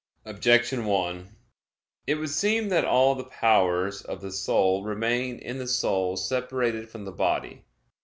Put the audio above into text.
Objection 1: It would seem that all the powers of the soul remain in the soul separated from the body.